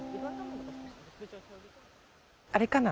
あれかな？